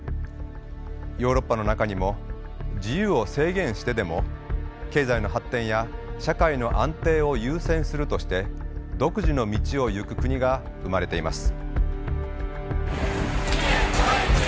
ヨーロッパの中にも自由を制限してでも「経済の発展や社会の安定を優先する」として独自の道を行く国が生まれています。